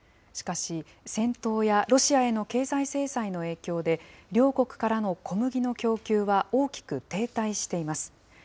しかし、戦闘やロシアへの経済制裁の影響で、両国からの小麦の供給は大きく停滞しています。